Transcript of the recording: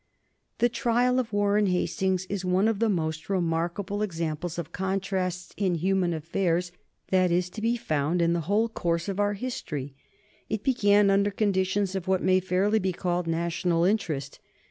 The trial of Warren Hastings is one of the most remarkable examples of contrasts in human affairs that is to be found in the whole course of our history. It began under conditions of what may fairly be called national interest.